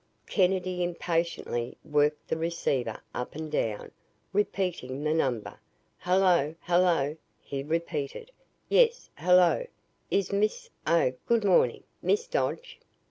Kennedy impatiently worked the receiver up and down, repeating the number. "Hello hello," he repeated, "Yes hello. Is Miss oh good morning, Miss Dodge."